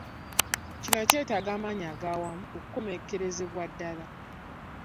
Kino kyeetaga amaanyi ag'awamu okukomekerezebwa ddala.